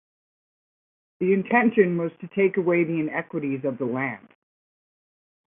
The intention was to take away the iniquities of the land.